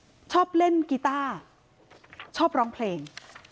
ชอบเล่นกีต้าชอบร้องเพลง